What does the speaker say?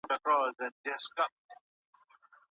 تاوتریخوالی څه فزیکي زیانونه لري؟